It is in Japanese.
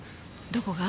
どこが？